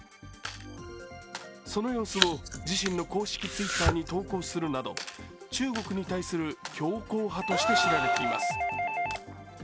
その様子を自身の公式Ｔｗｉｔｔｅｒに投稿するなど中国に対する強硬派として知られています。